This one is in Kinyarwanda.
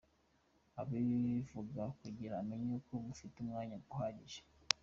Abivuga kugira umenye ko mugifite umwanya uhagije.